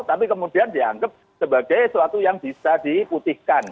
tapi kemudian dianggap sebagai suatu yang bisa diputihkan